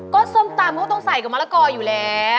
ก็ส้มตำเขาต้องใส่กับมะละกออยู่แล้ว